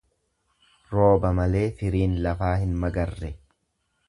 Rooba malee firiin lafaa hin magarre.